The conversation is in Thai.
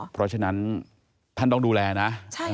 เพราะฉะนั้นท่านต้องดูแลนะ